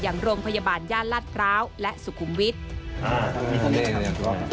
อย่างโรงพยาบาลย่านลาดพร้าวและสุขุมวิทย์อ่า